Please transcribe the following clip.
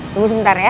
tunggu sebentar ya